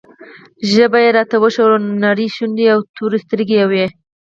ژبه یې راته وښوروله، نرۍ شونډې او تورې سترګې یې وې.